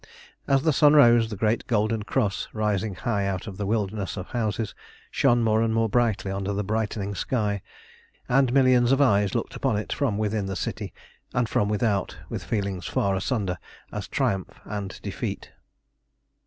As the sun rose the great golden cross, rising high out of the wilderness of houses, shone more and more brightly under the brightening sky, and millions of eyes looked upon it from within the city and from without with feelings far asunder as triumph and defeat.